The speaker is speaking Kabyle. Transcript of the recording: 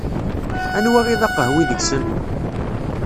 Anwa i d aqehwi deg-sen?